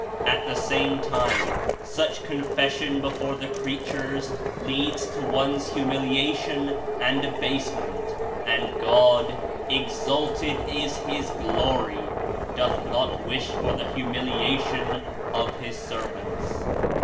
At the same time, such confession before the creatures leads to one's humiliation and abase ment, and God — exalted in His Glory! — doth not wish for the humiliation of His servants.